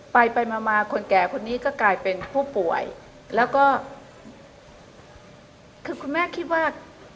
ไปไปมามาคนแก่คนนี้ก็กลายเป็นผู้ป่วยแล้วก็คือคุณแม่คิดว่า